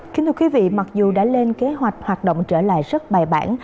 kính thưa quý vị mặc dù đã lên kế hoạch hoạt động trở lại rất bài bản